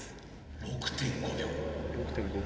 ６．５秒。